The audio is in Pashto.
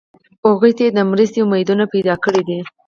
هغوی ته یې د مرستې امیدونه پیدا کړي دي.